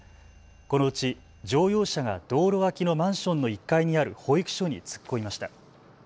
このうち乗用車が道路脇のマンションの１階にある保育所に突っ込みました。